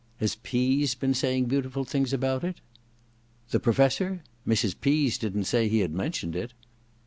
^ Has Pease been saying beautiful things about XL •* The Professor ? Mrs. Pease didn't say he had mentioned it.'